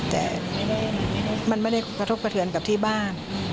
แต่มันไม่ได้กระทบกระเทือนกับที่บ้าน